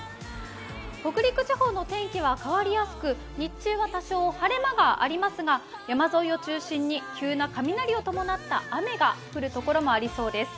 北陸地方の天気は変わりやすく日中は多少、晴れ間はありますが山沿いを中心に急な雷を伴った雨が降るところがありそうです。